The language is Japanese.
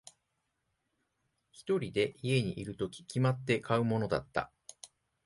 一人で家にいるとき、決まって買うものだった。